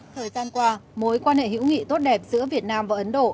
thời gian qua mối quan hệ hữu nghị tốt đẹp giữa việt nam và ấn độ